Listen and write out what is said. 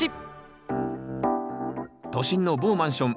都心の某マンション